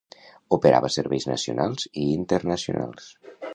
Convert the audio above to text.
Operava serveis nacionals i internacionals.